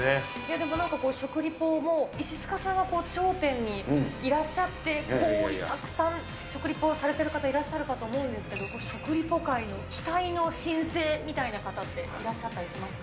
でもなんかこう、食リポも石塚さんが頂点にいらっしゃって、こう、たくさん食リポされてる方、いらっしゃるかと思うんですけど、食リポ界の期待の新星みたいな方って、いらっしゃったりしますか？